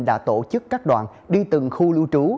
đã tổ chức các đoàn đi từng khu lưu trú